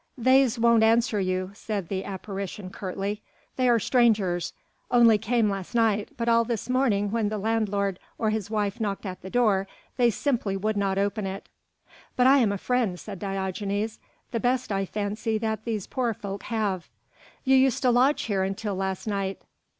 "They's won't answer you," said the apparition curtly. "They are strangers ... only came last night, but all this morning when the landlord or his wife knocked at the door, they simply would not open it." "But I am a friend," said Diogenes, "the best I fancy that these poor folk have." "You used to lodge here until last night."